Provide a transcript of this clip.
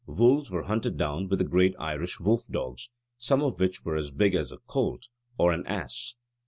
Wolves were hunted down with the great Irish wolf dogs, some of which were as big as a colt or an ass.